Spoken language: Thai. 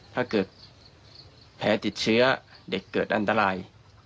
ถ้าเกิดแผลติดเชื้อเด็กเกิดอันตราย